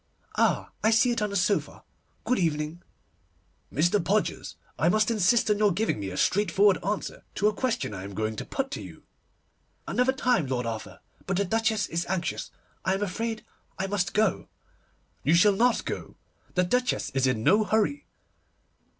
'Ah, I see it on the sofa! Good evening.' 'Mr. Podgers, I must insist on your giving me a straightforward answer to a question I am going to put to you.' 'Another time, Lord Arthur, but the Duchess is anxious. I am afraid I must go.' 'You shall not go. The Duchess is in no hurry.